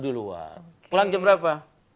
di luar pulang jam berapa